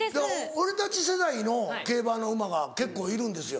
俺たち世代の競馬の馬が結構いるんですよ。